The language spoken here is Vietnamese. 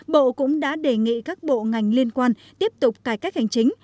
bộ cũng đã đề nghị các bộ ngành liên quan tiếp tục cải cách hành chính